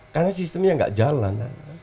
karena sistemnya gak jalan